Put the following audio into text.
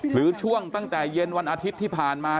หรือช่วงตั้งแต่เย็นวันอาทิตย์ที่ผ่านมา